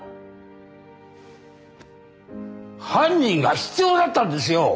犯人が必要だったんですよ！